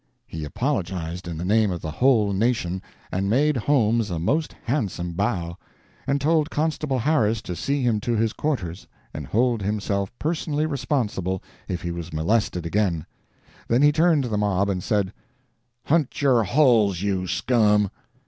He apologized in the name of the whole nation, and made Holmes a most handsome bow, and told Constable Harris to see him to his quarters, and hold himself personally responsible if he was molested again. Then he turned to the mob and said, "Hunt your holes, you scum!"